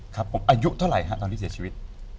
ครับผมอายุเท่าไหร่ฮะตอนที่เสียชีวิต